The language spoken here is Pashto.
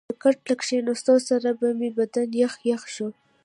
پر کټ له کښېنستو سره به مې بدن یخ یخ شو.